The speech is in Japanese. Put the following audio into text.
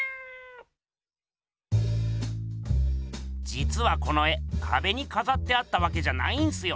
じつはこの絵かべにかざってあったわけじゃないんすよ。